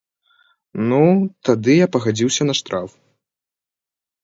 Ну, тады я пагадзіўся на штраф.